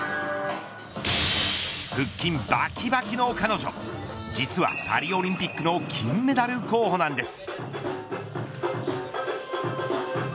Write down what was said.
腹筋バキバキの彼女実はパリオリンピックの金メダル候補なんです。